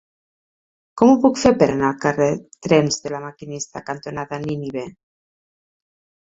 Com ho puc fer per anar al carrer Trens de La Maquinista cantonada Nínive?